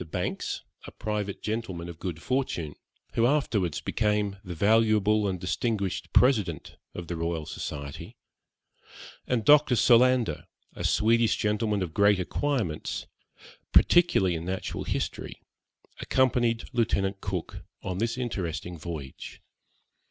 Banks, a private gentleman of good fortune, who afterwards became the valuable and distinguished President of the Royal Society, and Dr. Solander, a Swedish gentleman of great acquirements, particularly in natural history, accompanied Lieutenant Cook on this interesting voyage.